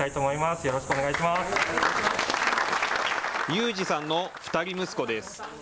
勇仁さんの２人息子です。